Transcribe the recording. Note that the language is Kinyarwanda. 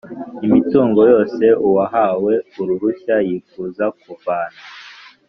imitungo yose uwahawe uruhushya yifuza kuvana